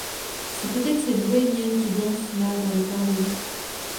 c’est peut-être cette bohémienne qui danse là dans le parvis.